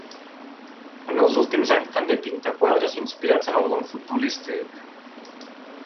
En els últims anys també pinta quadres inspirats en el món futbolístic.